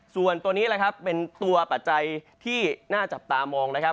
ส่วนตัวนี้แหละครับเป็นตัวปัจจัยที่น่าจับตามองนะครับ